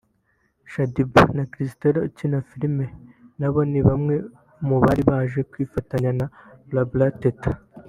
Shaddy Boo na Christella ukina filime nabo ni bamwe mu bari baje kwifatanya na Barbara Teta